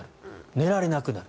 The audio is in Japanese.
寝られなくなる。